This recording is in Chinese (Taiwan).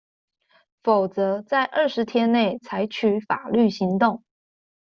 否則在二十天內採取法律行動